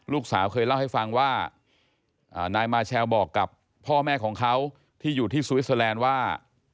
ลูกสาวเคยเล่าให้ฟังว่านายมาเชลบอกกับพ่อแม่ของเขาที่อยู่ที่สวิสเตอร์แลนด์ว่า